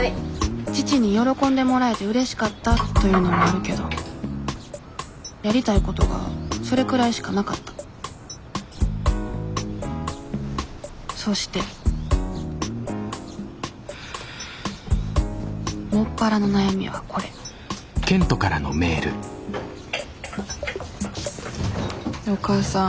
父に喜んでもらえてうれしかったというのもあるけどやりたいことがそれくらいしかなかったそして専らの悩みはこれねえお母さん。